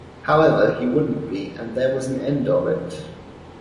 However, he wouldn't be, and there was an end of it.